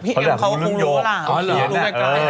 พี่แอมเขาก็คงรู้ล่ะ